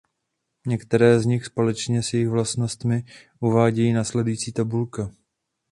Některé z nich společně s jejich vlastnostmi uvádí následující tabulka.